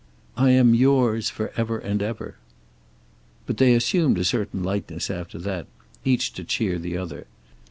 "I am yours. For ever and ever." But they assumed a certain lightness after that, each to cheer the other.